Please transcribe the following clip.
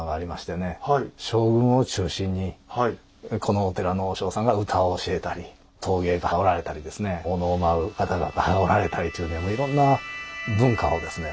このお寺の和尚さんが歌を教えたり陶芸家がおられたりですねお能を舞う方々がおられたりというねいろんな文化をですね